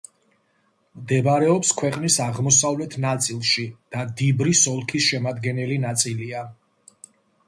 მდებარეობს ქვეყნის აღმოსავლეთ ნაწილში და დიბრის ოლქის შემადგენელი ნაწილია.